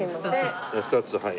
２つはい。